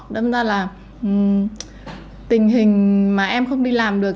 đâm ra là tình hình mà em không đi làm được